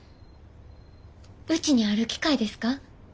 うちにある機械ですか？